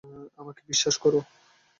আমাকে বিশ্বাস করো!